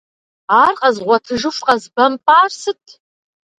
Ар къэзгъуэтыжыху къэзбэмпӏар сыт?!